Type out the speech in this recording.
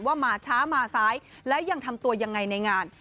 ว่ามาช้ามาซ้ายและยังทำตัวยังไงในงาน